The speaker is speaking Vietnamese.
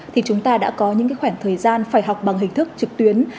thì chúng ta đã có những khoảng thời gian phải học bằng hình thức trực tuyến